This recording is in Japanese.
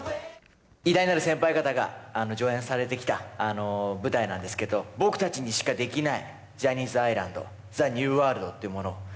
偉大なる先輩方が上演されてきた舞台なんですけど、僕たちにしかできない、ジャニーズ・アイランドＴＨＥＮＥＷＷＯＲＬＤっていうものを。